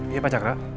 iya pak cakra